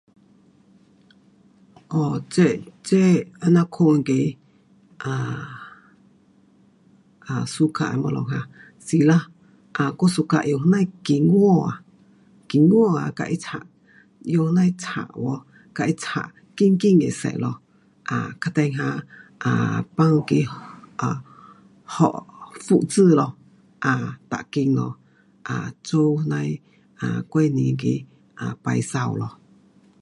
[um]这这那样款的[um] [um]suka [unintelligible] 是咯。[um]我suka 用哪金菇啊金菇啊[um]用哪漆喔跟他漆金金的色咯[um]等下哈放着[um]复制咯[um]做哪[um]过年啊摆美咯。